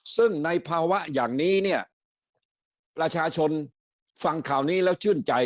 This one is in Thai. ซึ่งในภาวะอย่างนี้เนี่ยประชาชนฟังข่าวนี้แล้วชื่นใจ